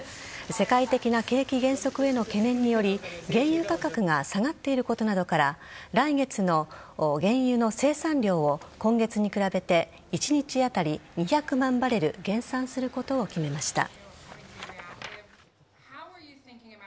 世界的な景気減速への懸念により原油価格が下がっていることなどから来月の原油の生産量を今月に比べて一日当たり２００万バレル減産することを決めました。